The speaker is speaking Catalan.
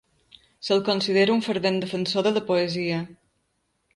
Se'l considera un fervent defensor de la poesia.